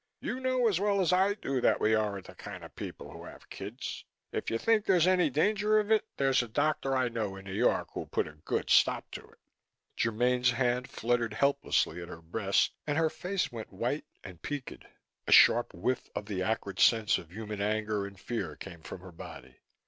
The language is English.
You know as well as I do that we aren't the kind of people who have kids. If you think there's any danger of it, there's a doctor I know in New York who'll put a good stop to it." Germaine's hand fluttered helplessly at her breast and her face went white and peaked. A sharp whiff of the acrid sense of human anger and fear came from her body.